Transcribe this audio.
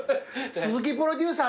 鈴木プロデューサー！